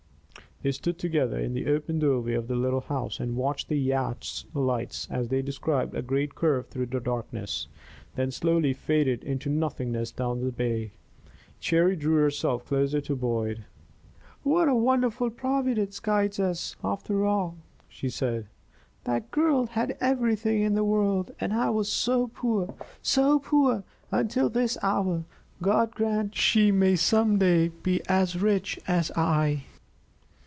They stood together in the open doorway of the little house and watched the yacht's lights as they described a great curve through the darkness, then slowly faded into nothingness down the bay. Cherry drew herself closer to Boyd. "What a wonderful Providence guides us, after all," she said. "That girl had everything in the world, and I was poor so poor until this hour. God grant she may some day be as rich as I!"